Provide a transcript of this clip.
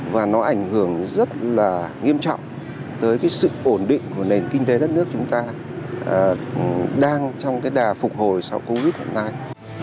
và nó ảnh hưởng rất là nghiêm trọng tới cái sự ổn định của nền kinh tế đất nước chúng ta đang trong cái đà phục hồi sau covid hiện nay